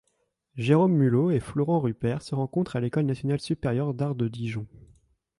Jérôme Mulot et Florent Ruppert se rencontrent à l'École nationale supérieure d'art de Dijon.